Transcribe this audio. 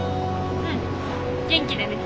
うん元気でね。